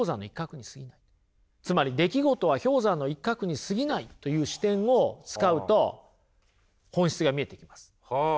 つまり出来事は氷山の一角にすぎないという視点を使うと本質が見えてきます。